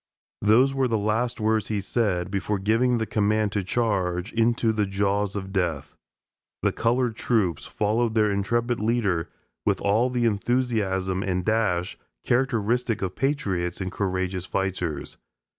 Those were the last words he said, before giving the command to charge, "into the jaws of death." The colored troops followed their intrepid leader with all the enthusiasm and dash characteristic of patriots and courageous fighters.